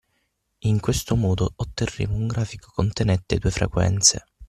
In questo modo otterremo un grafico contenente due frequenze.